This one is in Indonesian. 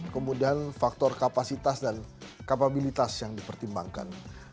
kemudian faktor kapasitas dan kapabilitas yang dipertimbangkan